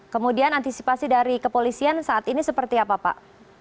kemudian antisipasi dari kepolisian saat ini seperti apa pak